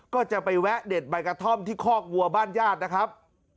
ก็จะไปแวะเด็ดใบกระท่อมที่คอกวัวบ้านญาตินะครับ